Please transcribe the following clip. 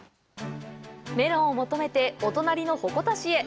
メロンを求めてお隣の鉾田市へ。